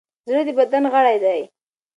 زړه د بدن غړی دی.